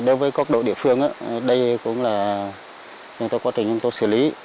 đối với các đội địa phương đây cũng là trong quá trình chúng tôi xử lý